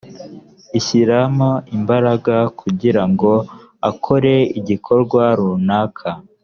ashyiramo imbaraga kugira ngo akore igikorwa runaka